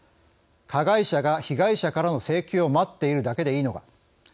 加害者が被害者からの請求を待っているだけでいいのか。